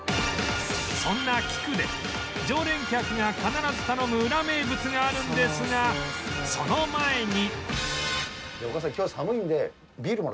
そんなきくで常連客が必ず頼むウラ名物があるんですがその前に